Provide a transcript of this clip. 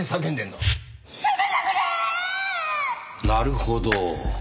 なるほど。